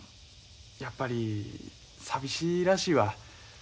やっぱり寂しいらしいわ。